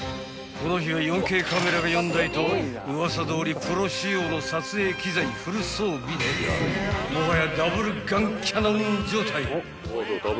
［この日は４Ｋカメラが４台とウワサどおりプロ仕様の撮影機材フル装備でもはや］